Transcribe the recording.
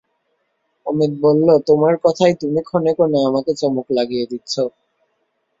অমিত বললে, তোমার কথায় তুমি ক্ষণে ক্ষণে আমাকে চমক লাগিয়ে দিচ্ছ।